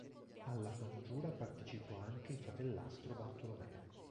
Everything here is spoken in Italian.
Alla congiura partecipò anche il fratellastro Bartolomeo.